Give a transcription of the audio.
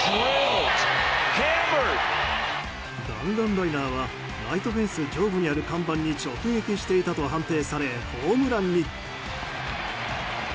弾丸ライナーはライトフェンス上部にある看板に直撃していたと判定されホームランに。